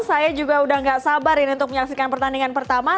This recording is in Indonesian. saya juga udah gak sabar ini untuk menyaksikan pertandingan pertama